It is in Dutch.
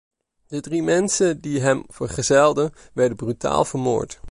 De drie mensen die hem vergezelden, werden brutaal vermoord.